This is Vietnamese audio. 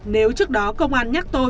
nếu trước đó công an nhắc tôi